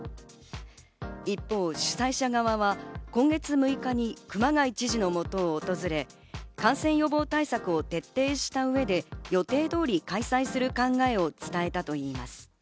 一方、主催者側は今月６日に熊谷知事のもとを訪れ、感染予防対策を徹底した上で予定通り開催する考えを伝えたといいます。